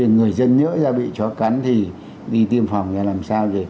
người dân nhớ ra bị chó cắn thì đi tiêm phòng ra làm sao